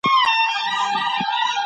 نېک عملونه د انسان قبر روښانه کوي.